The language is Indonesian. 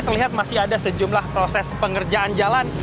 terlihat masih ada sejumlah proses pengerjaan jalan